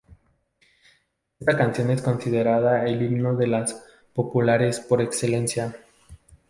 Esta canción es considerada el himno de "Las Populares" por excelencia.